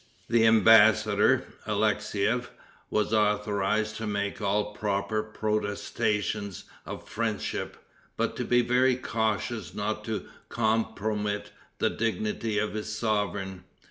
The embassador, Alexeief, was authorized to make all proper protestations of friendship, but to be very cautious not to compromit the dignity of his sovereign.